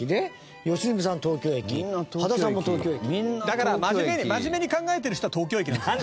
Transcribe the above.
だから真面目に考えてる人は東京駅なんですよ。